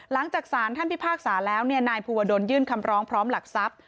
หลังจากสารท่านพิพากษาแล้วนายภูวดลยื่นคำร้องพร้อมหลักทรัพย์